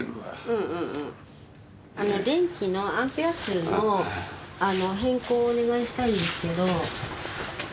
電気のアンペア数の変更をお願いしたいんですけど。